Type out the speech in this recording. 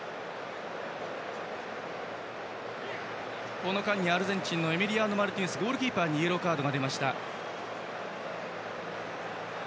この間にアルゼンチンのマルティネスゴールキーパーにイエローカードが出ました。